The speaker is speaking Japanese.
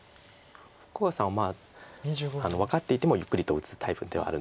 福岡さんは分かっていてもゆっくりと打つタイプではあるんですけど。